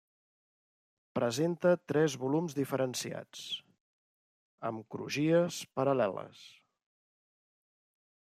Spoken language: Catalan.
Presenta tres volums diferenciats, amb crugies paral·leles.